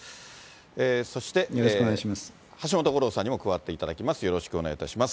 そして橋本五郎さんにも加わっていただきます。